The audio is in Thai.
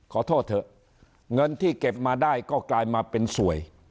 ขอโทษเถอะเงินที่เก็บมาได้ก็กลายมาเป็นสวย